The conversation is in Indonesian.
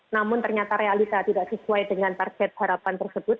namun ternyata realita tidak sesuai dengan target harapan tersebut